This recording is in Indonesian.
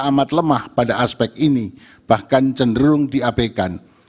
amat lemah pada aspek ini bahkan cenderung diabaikan